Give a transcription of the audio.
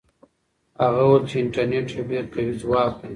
هغه وویل چې انټرنيټ یو ډېر قوي ځواک دی.